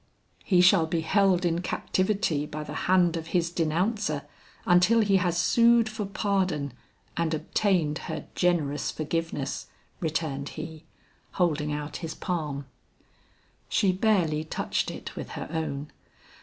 "He shall be held in captivity by the hand of his denouncer, until he has sued for pardon and obtained her generous forgiveness," returned he, holding out his palm. She barely touched it with her own.